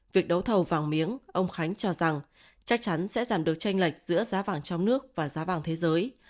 việc đấu thầu vàng miếng ông khánh cho rằng chắc chắn sẽ giảm được tranh lệch giữa giá vàng trong nước và giá vàng thế giới